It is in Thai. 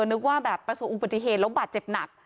นึกว่าแบบประสบอุบัติเหตุแล้วบาดเจ็บหนัก